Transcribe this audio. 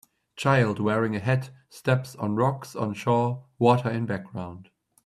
Child wearing a hat steps on rocks on shore, water in background.